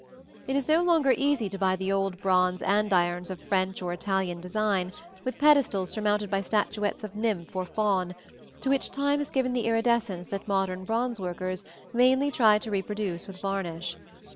It is no longer easy to buy the old bronze andirons of French or Italian design, with pedestals surmounted by statuettes of nymph or faun, to which time has given the iridescence that modern bronze workers vainly try to reproduce with varnish.